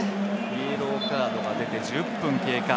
イエローカードが出て１０分経過。